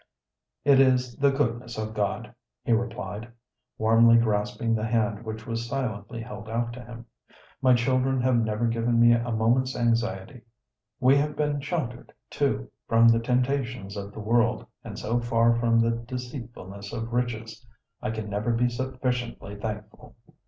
"It is the goodness of God," he replied, warmly grasping the hand which was silently held out to him. "My children have never given me a moment's anxiety. We have been sheltered, too, from the temptations of the world, and so far from the 'deceitfulness of riches.' I can never be sufficiently thankful."